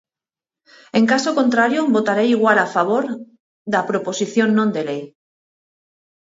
En caso contrario, votarei igual a favor da proposición non de lei.